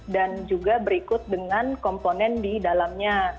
dan juga berikut dengan komponen di dalamnya